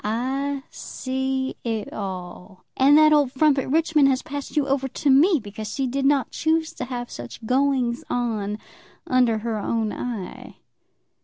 I see it all. And that old frump at Richmond has passed you over to me because she did not choose to have such goings on under her own eye."